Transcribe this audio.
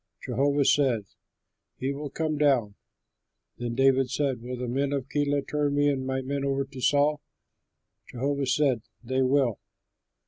Jehovah said, "He will come down." Then David said, "Will the men of Keilah turn me and my men over to Saul?" Jehovah said, "They will."